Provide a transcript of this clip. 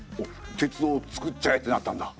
「鉄道をつくっちゃえ」ってなったんだ。